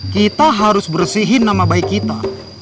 kita harus bersihin nama baik kita